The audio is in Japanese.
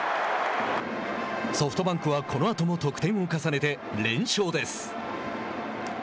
ソフトバンクは、このあとも得点を重ねて連勝です。